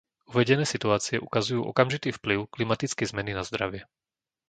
Uvedené situácie ukazujú okamžitý vplyv klimatickej zmeny na zdravie.